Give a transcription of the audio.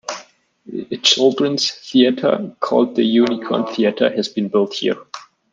A children's theatre called The Unicorn Theatre, has been built here.